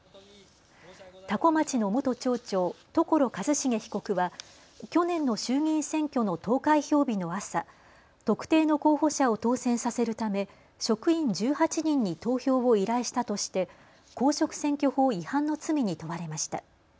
多古町の元町長、所一重被告は去年の衆議院選挙の投開票日の朝、特定の候補者を当選させるため職員１８人に投票を依頼したとして公職選挙法違反の罪に問われました。